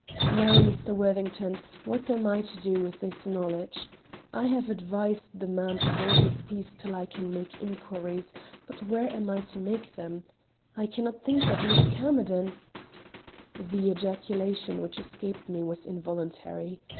Now, Mr. Worthington, what am I to do with this knowledge? I have advised this man to hold his peace till I can make inquiries, but where am I to make them? I can not think that Miss Camerden " The ejaculation which escaped me was involuntary.